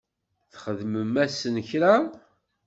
Txedmem-asen kra?